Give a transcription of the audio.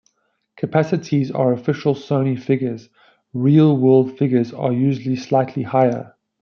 Capacities are official Sony figures; real world figures are usually slightly higher.